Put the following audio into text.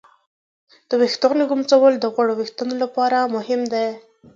د ویښتانو ږمنځول د غوړو وېښتانو لپاره مهم دي.